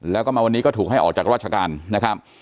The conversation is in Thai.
แล้วก็มาวันนี้ก็ถูกให้ออกจากราชการนะครับ